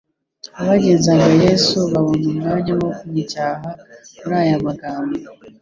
AbagenzagaYesu babona umwanya wo kumucyaha muri aya magambo: